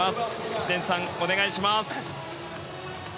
知念さん、お願いします。